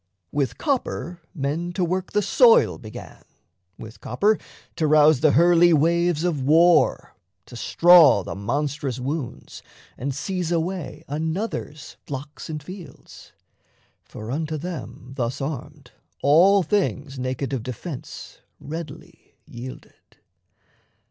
With copper men to work the soil began, With copper to rouse the hurly waves of war, To straw the monstrous wounds, and seize away Another's flocks and fields. For unto them, Thus armed, all things naked of defence Readily yielded.